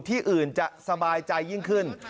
ที่อื่นจะสบายใจยิ่งขึ้น